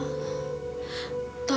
tolong bukakan pintu hati ibu